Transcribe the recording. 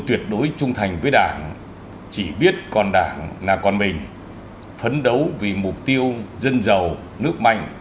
tuyệt đối trung thành với đảng chỉ biết còn đảng là còn mình phấn đấu vì mục tiêu dân giàu nước mạnh